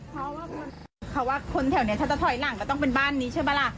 เพราะว่าเขาว่าคนแถวนี้ถ้าจะถอยหลังก็ต้องเป็นบ้านนี้ใช่ปะล่ะ